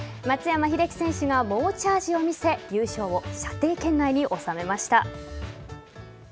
松山英樹選手が猛チャージを見せ優勝を射程圏内に収めました。